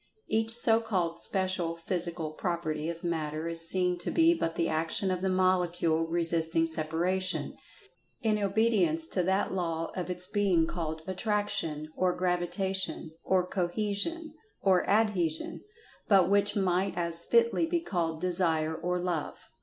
Each so called Special Physical Property of Matter is seen to be but the action of the Molecule resisting separation, in obedience to that law of its being called "Attraction," or "Gravi[Pg 146]tation," or "Cohesion," or "Adhesion"—but which might as fitly be called "Desire," or "Love."